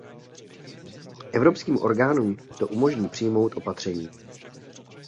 Evropským orgánům to umožní přijmout opatření.